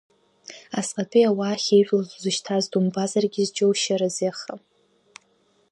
Асҟатәи ауаа ахьеижәылоз узышьҭаз думбазаргьы зџьоушьарызи аха.